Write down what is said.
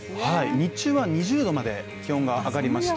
日中は２０℃まで気温が上がりました。